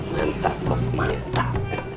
mantap dok mantap